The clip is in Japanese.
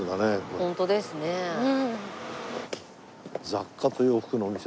「雑貨と洋服のお店」。